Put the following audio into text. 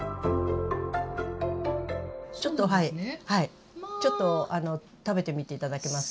ちょっとはいちょっと食べてみて頂けますか。